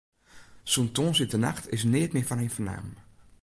Sûnt tongersdeitenacht is neat mear fan him fernaam.